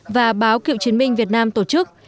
và báo cựu chiến binh việt nam tổ chức